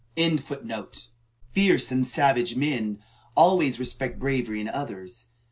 Fierce and savage men always respect bravery in others.